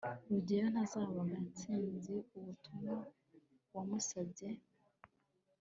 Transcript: rugeyo ntazaha gashinzi ubutumwa wamusabye